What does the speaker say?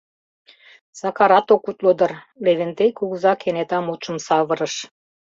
— Сакарат ок утло дыр, — Левентей кугыза кенета мутшым савырыш.